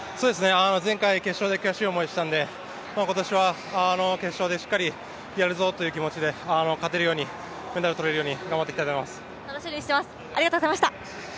前回決勝で悔しい思いをしたので、今年は決勝でしっかりやるぞという気持ちで勝てるようにメダルとれるように頑張りたいと思います。